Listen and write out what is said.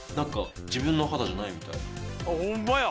自分の肌じゃないみたい。